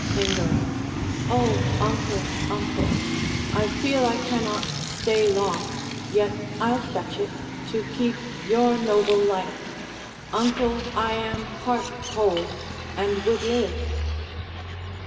Hengo O uncle, uncle, I feel I cannot stay long! yet I'll fetch it, To keep your noble life. Uncle, I am heart whole, And would live.